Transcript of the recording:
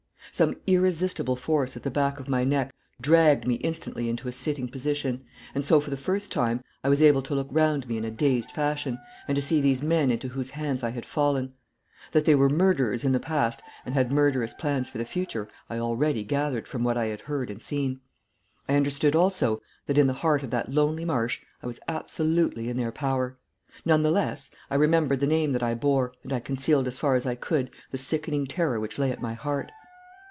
Some irresistible force at the back of my neck dragged me instantly into a sitting position, and so for the first time I was able to look round me in a dazed fashion, and to see these men into whose hands I had fallen. That they were murderers in the past and had murderous plans for the future I already gathered from what I had heard and seen. I understood also that in the heart of that lonely marsh I was absolutely in their power. None the less, I remembered the name that I bore, and I concealed as far as I could the sickening terror which lay at my heart.